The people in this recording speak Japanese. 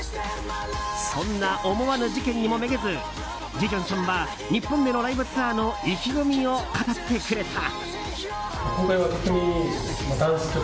そんな思わぬ事件にもめげずジェジュンさんは日本でのライブツアーの意気込みを語ってくれた。